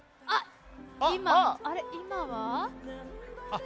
今は？